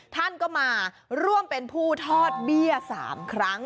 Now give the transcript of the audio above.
ท่านก็มาร่วมเป็นผู้ทอดเบี้ย๓ครั้ง